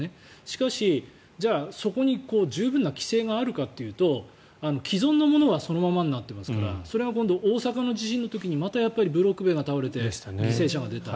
しかし、じゃあ、そこに十分な規制があるかというと既存のものはそのままになってますからそれが大阪地震の時にまたやっぱりブロック塀が倒れて犠牲者が出た。